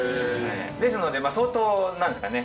ですので相当なんですかね